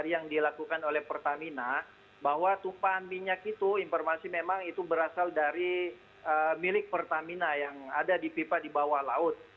yang dilakukan oleh pertamina bahwa tumpahan minyak itu informasi memang itu berasal dari milik pertamina yang ada di pipa di bawah laut